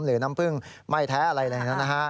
หรือน้ำผึ้งไม่แท้อะไรเลยนะฮะ